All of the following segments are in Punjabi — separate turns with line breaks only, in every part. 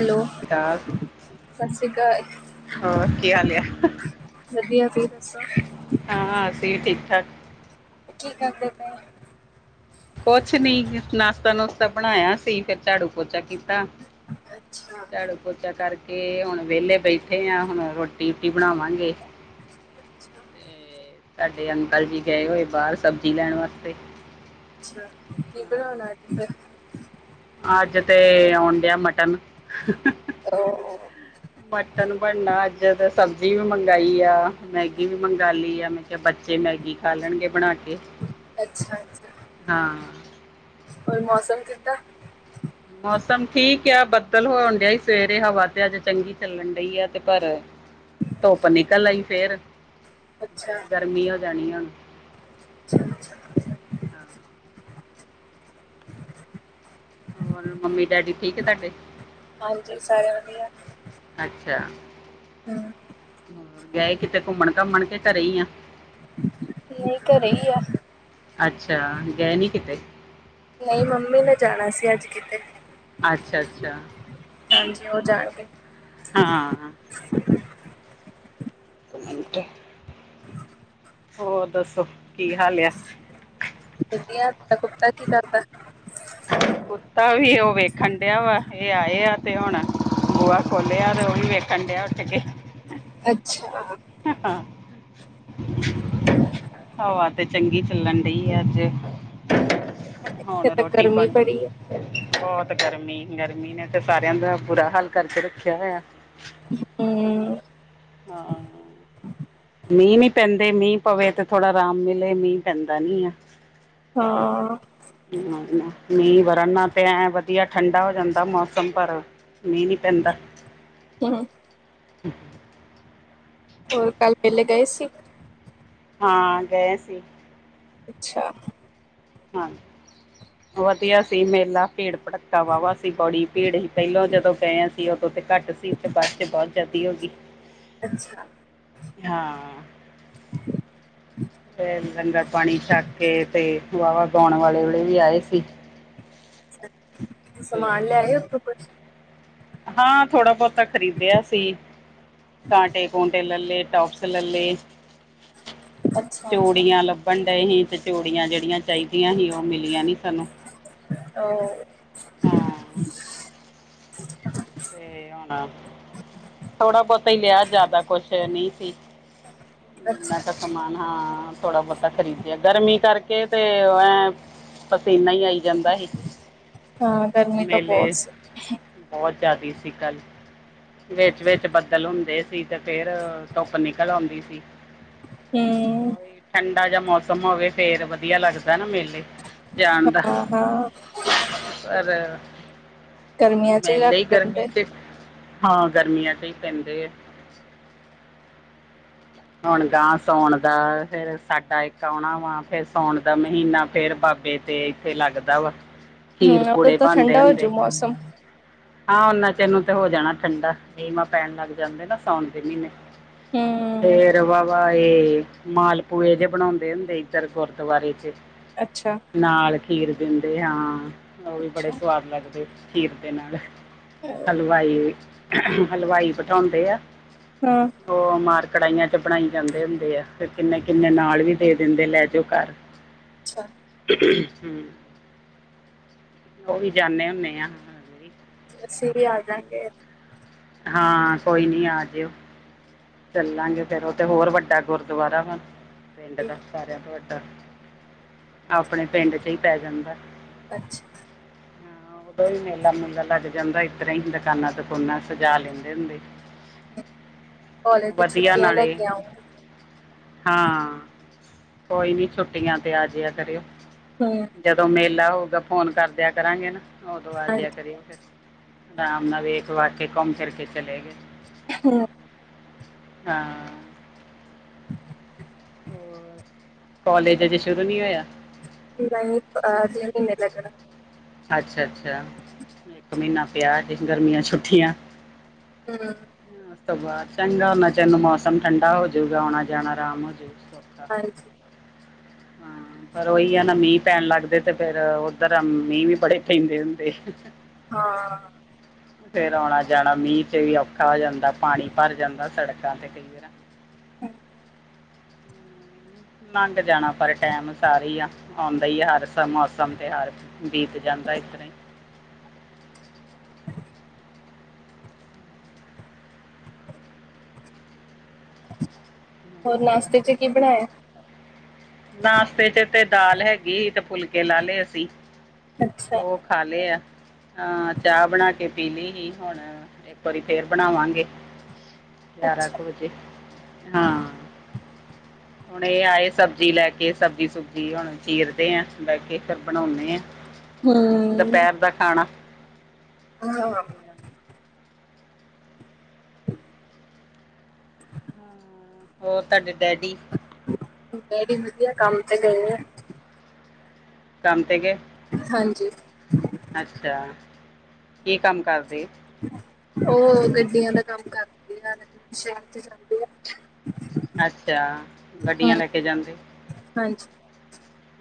ਹੈਲੋ,
ਹੋਰ
ਸਤਿ ਸ਼੍ਰੀ ਅਕਾਲ।
ਕੀ ਹਾਲ ਆ?
ਵਧੀਆ ਫੇਰ ਦੱਸੋ।
ਹਾਂ- ਹਾਂ ਅਸੀਂ ਵੀ ਠੀਕ- ਠਾਕ।
ਕੀ ਕਰਦੇ ਪਏ।
ਕੁਛ ਨੀ, ਨਾਸ਼ਤਾ- ਨੁਸਤਾ ਬਣਾਇਆ ਸੀ ਫਿਰ ਝਾੜੂ ਪੋਚਾ ਕੀਤਾ।
ਅੱਛਾ
ਚਲੋ। ਪੋਚਾ ਕਰਕੇ ਹੁਣ ਵਿਹਲੇ ਬੈਠੇ ਆ ਹੁਣ ਰੋਟੀ ਵਟੀ ਬਣਾਵਾਂਗੇ।
ਅੱਛਾ।
ਤੁਹਾਡੇ ਅੰਕਲ ਜੀ ਗਏ ਹੋਏ ਬਾਹਰ ਸਬਜ਼ੀ ਲੈਣ ਵਾਸਤੇ।
ਅੱਛਾ, ਕੀ ਬਣਾਉਣਾ ਫਿਰ
ਅੱਜ ਤੇ ਆਉਣ ਡਿਆ ਮਟਨ। ਮਟਨ ਬਣਨਾ ਅੱਜ ਤਾਂ ਸਬਜ਼ੀ ਵੀ ਮੰਗਾਈ ਆ, ਮੈਗੀ ਵੀ ਮੰਗ ਲਈ ਆ। ਮ ਤੇ ਬੱਚੇ ਮੈਗੀ ਖਾ ਲੈਣਗੇ ਬਣਾ ਕੇ।
ਅੱਛਾ -ਅੱਛਾ
ਹਾਂ
ਹੋਰ ਮੌਸਮ ਕਿੱਦਾਂ।
ਮੌਸਮ ਠੀਕ ਆ ਬੱਦਲ ਹੋਣ ਡਿਆ ਹੀ ਸਵੇਰੇ ਹਵਾ ਤੇ ਅੱਜ ਚੰਗੀ ਚੱਲਣ ਡਈ ਆ। ਤੇ ਪਰ
[inaudible]
ਧੁੱਪ ਨਿਕਲ ਆਈ ਫੇਰ।
ਅੱਛਾ
ਫੇਰ ਗਰਮੀ ਹੋ ਜਾਣੀ ਹੁਣ। ਹਾਂ
ਅੱਛਾ।
ਹੋਰ ਮੰਮੀ- ਡੈਡੀ ਠੀਕੇ ਤੁਹਾਡੇ।
ਹਾਂਜੀ ਸਾਰੇ ਵਧੀਆ।
ਅੱਛਾ।
ਹਮ
ਹੋਰ ਗਏ ਕਿਤੇ ਘੁੰਮਣ -ਘਾਮਣ ਕੇ ਘਰੇ ਹੀ ਆਂ।
ਨਹੀਂ ਘਰੇ ਹੀ ਆ।
ਅੱਛਾ। ਗਏ ਨੀ ਕਿਤੇ?
ਨਹੀਂ, ਮੰਮੀ ਨੇ ਜਾਣਾ ਸੀ ਅੱਜ ਕਿਤੇ।
ਅੱਛਾ-ਅੱਛਾ
ਹਾਂਜੀ ਉਹ ਜਾਣਗੇ।
ਹਾਂ। ਹੋਰ ਦੱਸੋ ਕੀ ਹਾਲ ਆ?
ਵਧੀਆ ਤਾ ਕੁੱਤਾ ਕੀ ਕਰਦਾ।
ਕੁੱਤਾ ਵੀ ਉਹ ਵੇਖਣ ਡਿਆ ਵਾ ਇਹ ਆਏ ਆ ਤੇ ਹੁਣ ਬੁਹਾ ਖੋਲਿਆ ਉਹ ਵੀ ਵੇਖਣ ਡਿਆ ਉੱਠ ਕੇ
ਅੱਛਾ।
ਹ ਹਾਂ ਹੋਆ ਤੇ ਚੰਗੀ ਚੱਲਣ ਡਹੀ ਆ ਅੱਜ
ਇੱਥੇ
ਹੁਣ
ਤਾਂ
ਰੋਟੀ
ਗਰਮੀ
ਪਾਣੀ
ਬੜੀ ਹੈ।
ਬਹੁਤ ਗਰਮੀ-ਗਰਮੀ ਨੇ ਤੇ ਸਾਰਿਆਂ ਦਾ ਬੁਰਾ ਹੱਲ ਕਰਕੇ ਰੱਖਿਆ ਹੋਇਆ
ਹਮ
ਹਾਂ-ਹਾਂ ਮੀਂਹ ਨੀ ਪੈਂਦੇ ਮੀਂਹ ਪਵੇ ਤੇ ਥੋੜਾ ਆਰਾਮ ਮਿਲੇ ਮੀਂਹ ਪੈਂਦਾ ਨੀ ਆ
ਹਾਂ।
ਮੀਂਹ ਵਰਨਾ ਤੇ ਐ ਵਧੀਆ ਠੰਡਾ ਹੋ ਜਾਂਦਾ ਮੌਸਮ ਪਰ ਮੀਂਹ ਨੀ ਪੈਂਦਾ
ਹਮ ਹੋਰ ਕੱਲ ਮੇਲੇ ਗਏ ਸੀ
ਹਾਂ ਗਏ ਸੀ
ਅੱਛਾ
ਹਾਂ ਵਧੀਆ ਸੀ ਮੇਲਾ ਭੀੜ ਭੜੱਕਾ ਵਾਹ ਵਾਹ ਸੀ ਬੌੜੀ ਭੀੜ ਹੀ ਪਹਿਲੋਂ ਜਦੋਂ ਗਏ ਸੀ ਉਦੋਂ ਤੇ ਘੱਟ ਬਸੇ ਬਹੁਤ ਜਿਆਦੀ ਹੋ ਗਈ
ਅੱਛਾ
ਹਾਂ ਤੇ ਲੰਗਰ ਪਾਣੀ ਛੱਕ ਕੇ ਤੇ ਵਾਵਾ ਗਾਉਣ ਵਾਲੇ ਵੇਲੇ ਵੀ ਆਏ ਸੀ ਤੇ
ਸਮਾਨ ਲਿਆਏ ਉਥੋਂ ਫੇ
ਹਾਂ ਥੋੜਾ ਬਹੁਤਾ ਖ਼ਰੀਦਿਆ ਸੀ ਕਾਂਟੇ ਕੁਂਟੇ ਲੇ ਟੋਪਸ ਲੱਲੇ
ਅੱਛਾ ਅੱਛਾ
ਚੂੜੀਆਂ ਲੱਭਣ ਡਏ ਸੀ ਤੇ ਚੂੜੀਆਂ ਜਿਹ ਯਾਂ ਚਾਹੀਦੀਆਂ ਸੀ ਉਹ ਮਿਲੀਆਂ ਨੀ ਸਾਨੂੰ
ਅ ਔ
ਹਾਂ ਤੇ ਹੁਣਾ ਥੋੜਾ ਬਹੁਤਾ ਹੀ ਲਿਆ ਜ਼ਿਆਦਾ ਕੁਛ ਨਹੀਂ ਸੀ ਨਾ
ਅੱਛਾ
ਦਾ ਸਮਾਨ ਹਾਂ ਥੋੜਾ ਬਹੁਤਾ ਖਰੀਦਿਆ ਗਰਮੀ ਕਰਕੇ ਤੇ ਐ ਪਸੀਨਾ ਹੀ ਆਈ ਜਾਂਦਾ ਸੀ
ਹਾਂ ਗਰਮੀ ਤਾਂ
ਮੇਲੇ
ਬਹੁਤ ਸੀ।
ਬਹੁਤ ਜ਼ਿਆਦਾ ਸੀ ਕੱਲ ਵਿੱਚ-ਵਿਚ ਬੱਦਲ ਹੁੰਦੇ ਸੀ ਤੇ ਫੇਰ ਧੁੱਪ ਨਿਕਲ ਆਉਂਦੀ ਸੀ
ਤੇ
ਉਹੀ ਠੰਡਾ ਜਿ ਮੌਸਮ ਹੋਵੇ ਫੇਰ ਵਧੀਆ ਲੱਗਦਾ ਨਾ ਮੇਲੇ ਜਾਣ ਦਾ
ਹਾਂ ਹਾਂ
ਪਰ
ਗਰਮੀਆਂ ਚ ਹੀ
ਮੈਂ
ਰੱਖ
ਲਈ ਗਰਮੀ
ਲੈਂਦੇ।
ਤੇ ਹਾਂ ਗਰਮੀਆਂ ਚ ਹੀ ਪੈਂਦੇ ਆ ਹੁਣ ਗਾਂਹ ਸਾਉਣ ਦਾ ਫੇਿਰ ਸਾਡਾ ਇੱਕ ਆਉਣਾ ਵਾ ਫੇਿਰ ਸਾਉਣ ਦਾ ਮਹੀਨਾ ਫੇਰ ਬਾਬੇ ਤੇ ਇੱਥੇ ਲੱਗਦਾ ਵਾ ਖੀਰ
ਹਮ ਉਹ
ਪੂੜੇ
ਤਾਂ
ਬਣਦੇ
ਠੰਡਾ
ਹੁੰਦੇ
ਹੋਜੂ ਮੌਸਮ
ਹਾਂ ਉਹਨਾਚੇ ਨੂੰ ਤੇ ਹੋ ਜਾਣਾ ਠੰਡਾ ਨਵਾਂ ਪੈਣ ਲੱਗ ਜਾਂਦੇ ਨਾ ਸਾਉਣ ਦੇ ਮਹੀਨੇ
ਹੂੰ
ਫੇਰ ਵਵਾ ਇਹ ਮਾਲਪੂਏ ਜਿਹੇ ਬਣਾਉਂਦੇ ਹੁੰਦੇ ਇਧਰ ਗੁਰਦੁਆਰੇ ਚ
ਅੱਛਾ
ਨਾਲ ਖੀਰ ਦਿੰਦੇ ਹਾਂ ਉਹ ਵੀ ਬੜੇ
ਅੱਛਾ
ਸਵਾਦ ਲੱਗਦੇ ਖੀਰ ਦੇ ਨਾਲ
ਹਾਂ
ਹਲਵਾਈ ਹਲਵਾਈ ਬਿਠਾਉਂਦੇ ਆ।
ਹਮ।
ਉਹ ਮਾਰ ਕਢਾਹੀਆਂ ਚ ਬਣਾਈ ਜਾਂਦੇ ਹੁੰਦੇ ਆ ਫ ਕਿੰਨੇ ਕਿੰਨੇ ਨਾਲ ਵੀ ਦੇ ਦਿੰਦੇ ਲੈ ਜਾਓ ਘਰ।
ਅੱਛਾ।
ਹਮ ਉਹ ਵੀ ਜਾਂਦੇ ਹੁੰਦੇਆ।
ਅਸੀਂ ਵੀ ਆ ਜਾਂਗੇ।
ਹਾਂ ਕੋਈ ਨਹੀਂ ਆ ਜਿਓ। ਚੱਲਾਂਗੇ ਫੇਰ ਉਹ ਤੇ ਹੋਰ ਵੱਡਾ ਗੁਰਦੁਆਰਾ ਵਾ ਪਿੰਡ ਦਾ। ਸਾਰਿਆਂ ਤੋਂ ਵੱਡਾ ਆਪਣੇ ਪਿੰਡ ਚ ਹੀ ਪੈ ਜਾਂਦਾ।
ਅੱਛਾ।
ਹਾਂ ਉਦੋਂ ਵੀ ਮੇਲਾ ਮੂਲਾ ਲੱਗ ਜਾਂਦਾ ਇਸ ਤਰ੍ਹਾਂ ਹੀ ਦੁਕਾਨਾਂ ਦੁਕੂਨਾ ਸਜਾ ਲੈਂਦੇ ਹੁੰਦੇ।
ਕਾਲਜ ਦੀ
ਵਧੀਆ
ਛੁੱਟੀਆਂ ਲੈ
ਨਾਲੇ।
ਕੇ ਆਊਂਗੀ।
ਹਾਂ ਕੋਈ ਨੀ ਛੁੱਟੀਆਂ ਤੇ ਆਜਿਆ ਕਰਿਓ।
ਹਮ। [inaudible]
ਜਦੋਂ ਮੇਲਾ ਹੋਊਗਾ ਫੋਨ ਕਰ ਦਿਆ ਕਰਾਂਗੇ ਨਾ ਉਦੋਂ ਆਜਿਆ
ਹਾਂਜੀ
ਕਰੀਓ ਫਿਰ। [unintelligible] ਵੇਖ ਵਾਖ ਕੇ ਘੁੰਮ ਘਮ ਕੇ ਚਲੇ ਗਏ।
[unintelligible]
ਹਾਂ।
[unintelligible]
ਕਾਲੇਜ ਅਜੇ ਸ਼ੁਰੂ ਨੀ ਹੋਇਆ।
[unintelligible] ਲਗਣਾ।
ਅੱਛਾ ਅੱਛਾ ਇੱਕ ਮਹੀਨਾ ਪਿਆ ਅਜੇ ਗਰਮੀਆਂ ਛੁੱਟੀਆਂ।
[unintelligible]
[unintelligible] ਚੰਗਾ ਹਨਾ ਉਨੇ ਚਿਰ ਨੂੰ ਮੌਸਮ ਠੰਡਾ ਹੋਜੂਗਾ ਆਉਣਾ ਜਾਣਾ ਆਰਾਮ ਹੋਜੂਗਾ। ਹਾਂ
[unintelligible]
ਪਰ ਉਹੀ ਆ ਨਾ ਮੀਂਹ ਪੈਣ ਲੱਗਦੇ ਤੇ ਫੇਰ ਉੱਧਰ ਮੀਂਹ ਵੀ ਬੜੇ ਪੈਂਦੇ ਹੁੰਦੇ।
ਹਾਂ।
ਫੇਰ ਆਉਣਾ ਜਾਣਾ ਮੀਂਹ ਤੇ ਵੀ ਔਖਾ ਹੋ ਜਾਂਦਾ। ਪਾਣੀ ਭਰ ਜਾਂਦਾ ਸੜਕਾਂ ਤੇ ਕਈ ਵਾਰ।
ਹ। [unintelligible]
ਲੰਘ ਜਾਣਾ ਪਰ ਟੈਮ ਸਾਰੇ ਹੀ ਆ ਆਉਂਦਾ ਆ ਹਰ ਮੌਸਮ ਤਿਉਹਾਰ ' ਬੀਤ ਜਾਂਦਾ ਇਸੱ ਤਰ੍ਹਾਂ ਈ।
ਹੋਰ ਨਾਸ਼ਤੇ ਚ ਕੀ ਬਣਾਇਆ।
ਨਾਸ਼ਤੇ ਚ ਤੇ ਦਾਲ ਹੈਗੀ ਤੇ ਫੁਲਕੇ ਲਾ ਲਏ ਅਸੀਂ
ਅੱਛਾ
ਉਹ ਖਾ ਲਏ ਆ ਹਾਂ ਚਾਹ ਬਣਾ ਕੇ ਪੀ ਲਈ ਸੀ ਹੁਣ। ਇੱਕ ਵਾਰੀ ਫੇਰ ਬਣਾਵਾਂਗੇ ਗਿਆਰਾਂ
ਅੱਛਾ
ਕੁ ਵਜੇ ਹਾਂ। ਹੁਣ ਇਹ ਆਏ ਸਬਜ਼ੀ ਲੈ ਕੇ ਸਬਜ਼ੀ ਸੁਬਜੀ ਹੁਣ ਚੀਰਦੇ ਆ ਬਹਿ ਕੇ ਫੇਰ ਬਣਾਉਦੇ ਆ।
[unintelligible] ਹੂੰ
ਦੁਪਹਿਰ ਦਾ ਖਾਣਾ
ਹਾਂ।
ਹੋਰ ਤੁਹਾਡੇ ਡੈਡੀ
ਮੇ ਵਧੀਆ ਕੰਮ ਤੇ ਗਈ ਆ।
ਕੰਮ ਤੇ ਗ
ਹਾਂਜੀ।
ਅੱਛਾ ਕੀ ਕੰਮ ਕਰਦੇ?
ਉਹ ਗੱਡੀਆਂ ਦਾ ਕੰਮ ਕਰਦੇ ਆ ਸ਼ਹਿਰ ਤੇ ਜਾਂਦੀ ਆ।
ਅੱਛਾ
ਹਾਂ।
ਗੱਡੀਆਂ ਲੈ ਕੇ ਜਾਂਦੇ।
ਹਾਂਜੀ।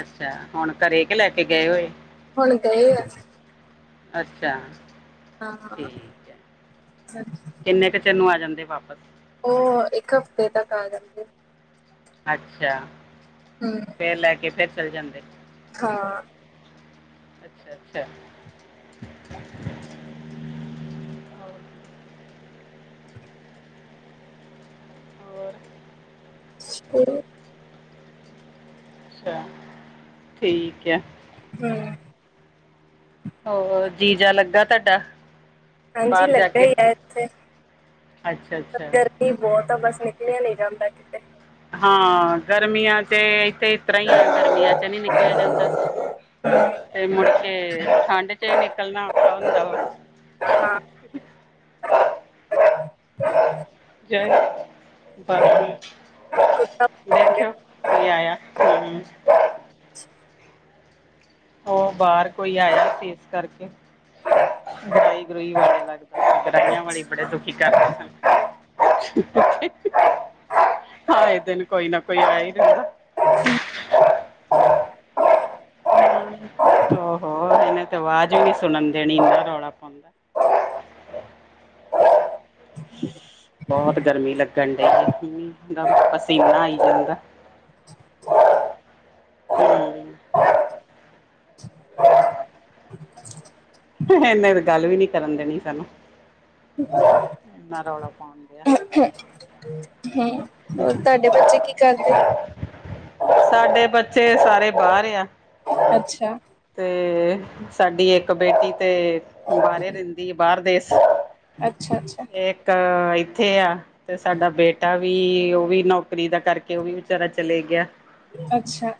ਅੱਛਾ ਹੁਣ ਘਰੇ ਕੇ ਲੈ ਕੇ ਗਏ ਹੋਏ।
ਹੁਣ ਗਏ ਆ।
ਅੱਛਾ
ਹਾਂ
ਠੀਕ ਐ
ਹਾਂਜੀ
ਕਿੰਨੇ ਕੇ ਤੈਨੂੰ ਆ ਜਾਂਦੇ ਵਾਪਸ?
ਓ ਇੱਕ ਹਫ਼ਤੇ ਤੱਕ ਆ ਜਾਂਨ ਗੇ।
ਅੱਛਾ।
ਹੂੰ
ਫੇਰ ਲੈ ਕੇ ਫੇਰ ਚਲੇ ਜਾਂਦੇ।
ਹਾਂ।
[unintelligible] ਅੱਛਾ ਅੱਛਾ। ਹੋਰ?
ਸ [inaudible]
ਅੱਛਾ ਠੀਕ ਐ।
ਹੂੰ
ਹੋਰ ਜੀ ਜਾ ਲੱਗਾ ਤੁਹਾਡਾ?
ਹਾਂਜੀ,
ਬਾਹਰ ਜਾ
ਲੱਗਾ
ਕੇ
ਹੀ ਆ, ਇੱਥੇ।
ਅੱਛਾ ਅੱਛਾ
ਗਰਮੀ ਬਹੁਤ ਆ। ਬਸ ਨਿਕਲਿਆਂ ਨਹੀਂ ਜਾਂਦਾ ਇੱਥੇ ਤੇ।
ਹਾਂ, ਗਰਮੀਆਂ ਤੇ ਇਥ ਗਰਾਈਆਂ ਹੀ, ਗਰਮੀਆਂ ਚ ਨਹੀਂ ਨਿਕਲਿਆ ਜਾਂਦਾ, ਮੁ ਤੇ ਠੰਡ ਚ ਹੀ ਨਿਕਲਣਾ ਔਖਾ ਹੁੰਦਾ ਵਾ।
ਹਾਂ
ਜੈ ਬ
ਕੁੱਤਾ
[unintelligible]
ਕਹਿੰਦੇ।
ਦੇਖਿਓ, ਕੋਈ ਆਇਆ, ਹੂੰ। ਉਹ ਬਾਹਰ, ਕੋਈ ਆਇਆ ਸੀ, ਇਸ ਕਰਕੇ। ਗਰਾਈ ਗਰੂਈ ਵਾਲੇ, ਲੱਗਦਾ ਸੀ, ਗਰਾਈਆਂ ਵਾਲੇ ਬੜੇ ਦੱਖ ਕੀ ਕਰਦੇ ਹਾਂ।
ਹਾਂ [unintelligible]
ਆਈ ਦਿਨ, ਕੋਈ ਨਾ ਕੋਈ ਆਇਆ ਹੀ ਰਹਿੰਦਾ।
ਹੂੰ [unintelligible]
ਉਹੋੋ ਇਹਨੇ ਤੇ, ਆਵਾਜ਼ ਵੀ ਨੀ ਸੁਣਨ ਦੇਣੀ। ਇੰਨਾ ਰੌਲਾ ਪਾਉਂਦਾ।
[inaudible]
ਬਹੁਤ ਗਰਮੀ ਲੱਗਣ ਡਈ ਐ। ਹੂੰ, ਪਸੀਨਾ ਆਈ ਜਾਂਦਾ। ਹੂੰ ਇਹ ਨੇ ਤੇ, ਗੱਲ ਵੀ ਨੀ, ਕਰਨ ਦੇਣੀ ਸਾਨੂੰ।
ਠ [inaudible]
ਣਿਨਾਂ ਰੋਵਲਾ ਪੋਣ ਡਿਆ।
ਹੋਰ, ਤੁਹਾਡੇ ਬੱਚੇ ਕੀ ਕਰਦੇ?
ਸਾਡੇ ਬੱਚੇ, ਸਾਰੇ ਬਾਹਰ ਆ।
ਅੱਛਾ।
ਤੇ, ਸਾਡੀ ਇੱਕ ਬੇਟੀ ਤੇ ਬਹਾਰੇ ਰਹਿੰਦੀ, ਬਾਹਰ ਦੇਸ।
ਅੱਛਾ ਅੱਛਾ
ਤੇ ਇੱਕ ਇੱਥੇ ਆ। ਤੇ ਸਾਡਾ, ਬੇਟਾ ਵੀ ਉਹ ਵੀ, ਨੌਕਰੀ ਦਾ ਕਰਕੇ, ਉਹ ਵੀ, ਵਿਚਾਰਾ ਚਲੇ ਗਿਆ।
ਅੱਛਾ।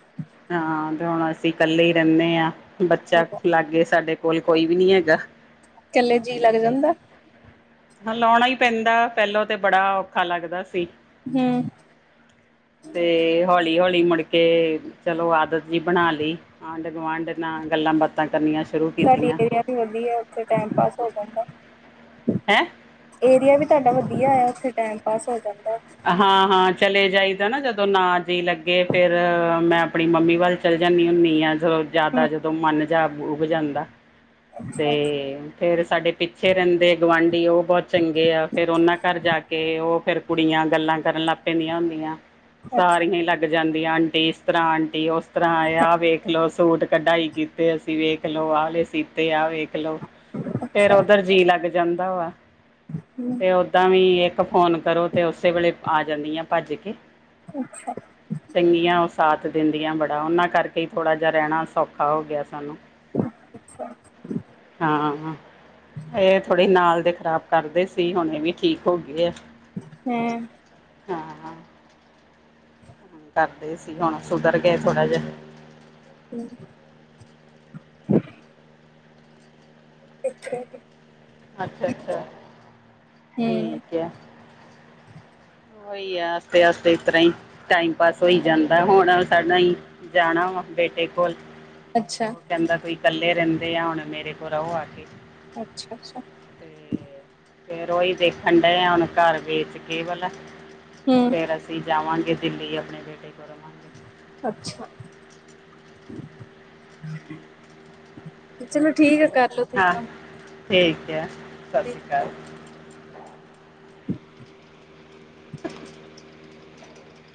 ਹਾਂ, ਤੇ ਹੁਣ ਅਸੀਂ ਇਕੱਲੇ ਹੀ ਰਹਿੰਦੇ ਆ। ਬੱਚਾ ਲਾਗੇ ਸਾਡੇ। ਕੋਲ ਕੋਈ, ਵੀ ਨੀ ਹੈਗਾ।
ਇਕੱਲੇ, ਜੀ ਲੱਗ ਜਾਂਦਾ?
ਹਾਂ, ਲਾਉਣਾ ਹੀ ਪੈਂਦਾ, ਪਹਿਲੋਂ ਤੇ ਬੜਾ ਔਖਾ ਲੱਗਦਾ ਸੀ।
ਹੂੰ।
ਤੇ, ਹੌਲੀ- ਹੌਲੀ ਮੁੜਕੇ, ਚਲੋਂ ਆਦਤ ਜੀ ਬਣਾ ਲਈ। ਆਂਢ- ਗੁਆਂਢ, ਨਾਲ ਗੱਲਾਂ- ਬਾਤਾਂ ਕਰਨੀਆਂ। ਸ਼ੁਰੂ
ਤੁਡੀ
ਕੀਤੀਆਂ
ਏਰੀਆ ਵੀ ਵਧੀਆ, ਉਥੇ ਟਾਈਮ ਪਾਸ ਹੋ ਜਾਂਦਾ।
ਹੈਂ?
ਏਰੀਆ ਵੀ, ਤੁਹਾਡਾ ਵਧੀਆ ਆ। ਉੱਥੇ ਟਾਈਮ ਪਾਸ ਹੋ ਜਾਂਦਾ।
ਹਾਂ- ਹਾਂ, ਚਲੇ ਜਾਈਦਾ ਨਾ। ਜਦੋਂ ਨਾ ਜੀ ਲੱਗੇ। ਫੇਰ ਮੈਂ, ਆਪਣੀ ਮੰਮੀ ਵੱਲ। ਚਲ ਜਾਂਦੀ ਹੁੰਦੀ ਆ। ਜਦੋਂ
ਹੂੰ,
ਜਿਆਦਾ, ਜਦੋਂ ਮਨ ਜਿਹਾ ਉਗ ਜਾਂਦਾ। ਤੇ। ਫੇਰ ਸਾਡੇ ਪਿੱਛੇ, ਰਹਿੰਦੇ ਗੁਆਂਢੀ। ਉਹ ਬਹੁਤ ਚੰਗੇ ਆ। ਫੇਰ ਉਹਨਾਂ, ਘਰ ਜਾ ਕੇ ਉਹ, ਫੇਰ। ਕੁੜੀਆਂ, ਗੱਲਾਂ ਕਰਨ ਲੱਗ ਪੈਂਦੀਆਂ ਹੁੰਦੀਆਂ। ਸਾਰੀਆਂ ਹੀ, ਲੱ ਲੱਗ ਜਾਂਦੀ ਆ। ਆਂਟੀ ਇਸ ਤਰਾਂ, ਆਂਟੀ ਉਸ ਤਰਾਂ ਆ। ਆਹ ਵੇਖ ਲਓ। ਸੂਟ ਕਢਾਈ, ਕੀਤੇ ਅਸੀਂ। ਵੇਖ ਲਓ, ਆਲੇ ਸੀਤੇ, ਆ ਵੇਖ। ਲੋ, ਫੇਰ
ਅੱਛਾ।
ਉਧਰ, ਜੀ ਲੱਗ ਜਾਂਦਾ ਵਾ।
ਹੂੰ,
ਤੇ ਤਾਂ ਵੀ, ਇੱਕ ਫੋਨ ਕਰੋ, ਤੇ ਉਸੇ ਵੇਲੇ ਆ ਜਾਂਦੀ ਆ। ਭੱਜ ਕੇ।
ਅੱਛਾ।
ਚੰਗੀਆਂ ਉਹ, ਸਾਤ ਦਿੰਦੀਆਂ ਬੜਾ। ਉਹਨਾਂ ਕਰਕੇ ਥੋੜਾ ਜਿਹਾ, ਰਹਿਣਾ ਸੌਖਾ ਹੋ ਗਿਆ। ਸਾਨੂੰ।
ਅ [unintelligible]
ਹਾਂ, ਇਹ ਥੋੜੇ ਨਾਲ ਦੇ, ਖ਼ਰਾਬ ਕਰਦੇ ਸੀ। ਹੁਣ ਇਹ ਵੀ, ਠੀਕ ਹੋ ਗਏ ਆ।
ਹੂ,,,
ਹਾਂ ਕਰਦੇ ਸੀ ਹੁਣ ਸੁਧਰ ਗਏ ਥੋੜਾ ਜਿਹਾ
ਹੂ,,, ਕਿੱਥੇ
ਅੱਛਾ- ਅੱਛਾ ਠੀਕ ਹੈ। ਉਹੀ ਹੈ। ਹੱਸਦੇ- ਹੱਸਦੇ, ਇਸ ਤਰਾਂ ਹੀ ਟਾਈਮ, ਪਾਸ ਹੋਈ ਜਾਂਦਾ। ਹੁਣ ਸਾਡਾ ਹੀ। ਜਾਣਾ ਵਾ, ਬੇਟੇ ਕੋਲ।
ਅੱਛਾ।
ਉਹ ਕਹਿੰਦਾ ਕੋਈ ਇਕੱਲੇ ਰਹਿੰਦੇ ਆ ਹੁਣ ਮੇਰੇ ਕੋਲ ਰਹੋ ਆ ਕੇ
ਅੱਛਾ- ਅੱਛਾ।
ਤੇ ਫਿਰ ਉਹੀ ਦੇਖਣ ਡਏ ਆ ਹੁਣ ਘਰ ਵੇਚ ਕੇ ਇਹ ਵਾਲਾ
ਹੂ,,,
ਫਿਰ ਅਸੀਂ ਜਾਵਾਂਗੇ ਦਿੱਲੀ ਆਪਣੇ ਬੇਟੇ ਕੋਲ ਰਵਾਂਗੇ
ਅੱਛਾ। ਚਲੋ ਠੀਕ ਆ ਕਰ ਲੋ ਤੁਸੀਂ
ਹਾਂ
ਕੰਮ
ਠੀਕ ਆ ਸਤਿ
ਠੀਕ।
ਸ਼੍ਰੀ ਅਕਾਲ [unintelligible]